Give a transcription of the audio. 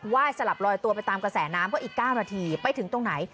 ยสลับลอยตัวไปตามกระแสน้ำก็อีก๙นาทีไปถึงตรงไหน